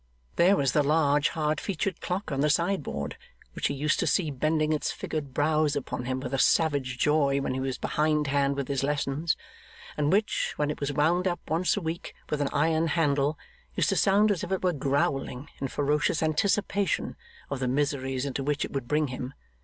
There was the large, hard featured clock on the sideboard, which he used to see bending its figured brows upon him with a savage joy when he was behind hand with his lessons, and which, when it was wound up once a week with an iron handle, used to sound as if it were growling in ferocious anticipation of the miseries into which it would bring him.